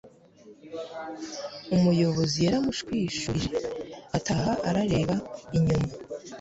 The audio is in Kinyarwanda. Umuyobozi yaramushwishurije ataha arareba inyuma